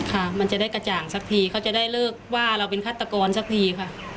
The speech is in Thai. ค่ะมันจะได้กระจ่างสักทีเขาจะได้เลิกว่าเราเป็นฆาตกรสักทีค่ะ